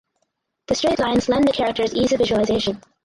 The straight lines lend the characters ease of visualization.